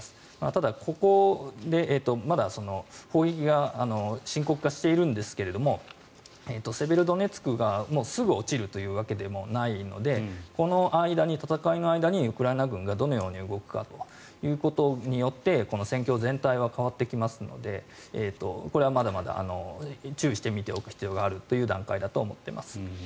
ただ、ここでまだ砲撃が深刻化しているんですがセベロドネツクがすぐ落ちるというわけでもないのでこの戦いの間に、ウクライナ軍がどのように動くかということによってこの戦況全体が変わってきますのでこれはまだまだ注意して見ておく必要がある段階だと思います。